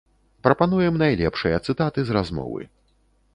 Прапануем найлепшыя цытаты з размовы.